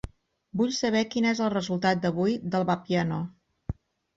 Vull saber quin és el resultat d'avui del Vapiano.